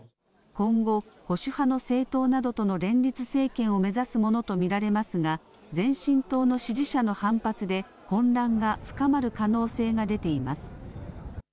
今後、保守派の政党などとの連立政権を目指すものと見られますが、前進党の支持者の反発で混乱が深まる可能性が出ています。